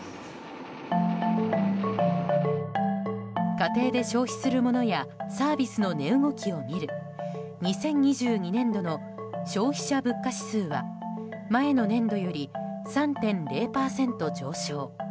家庭で消費するものやサービスの値動きを見る２０２２年度の消費者物価指数は前の年度より３．０％上昇。